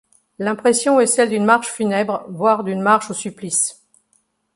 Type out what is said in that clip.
L'impression est celle d'une marche funèbre, voire d'une marche au supplice.